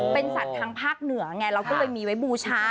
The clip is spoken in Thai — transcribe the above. เป็นสัตว์ทางภาคเหนือไงเราก็เลยมีไว้บูชา